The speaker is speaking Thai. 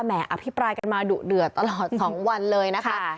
อภิปรายกันมาดุเดือดตลอด๒วันเลยนะคะ